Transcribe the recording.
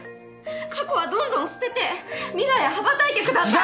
過去はどんどん捨てて未来へ羽ばたいてください！